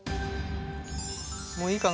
もういいかな。